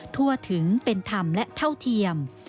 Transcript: ทั่วถึงเป็นธรรมและเท่าเทียม